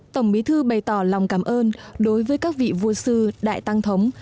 tổng bí thư bày tỏ lòng cảm ơn đối với các vị vua sư đại tăng thống